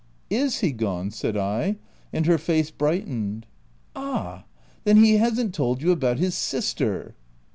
" Is he gone?'* said I, and her face bright ened. "Ah ! then he hasn't told you about his sister?"